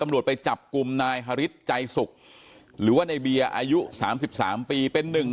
ตำรวจไปจับกลุ่มนายฮฤษจัยสุขหรือว่าในเบียอายุสามสิบสามปีเป็นนึง